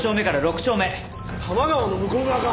多摩川の向こう側か。